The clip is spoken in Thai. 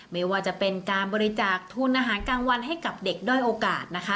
ไม่ว่าจะเป็นการบริจาคทุนอาหารกลางวันให้กับเด็กด้อยโอกาสนะคะ